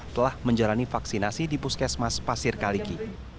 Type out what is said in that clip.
telah menjalani vaksinasi di puskesmas pasir kaliki